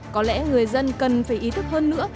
có lẽ người dân cần phải ý thức hơn nữa